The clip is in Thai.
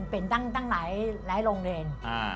เป็นตั้งหลายโรงเรียน